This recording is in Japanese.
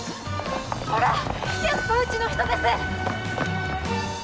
ほらやっぱうちの人です！